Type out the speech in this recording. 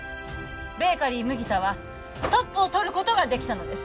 ベーカリー麦田はトップをとることができたのです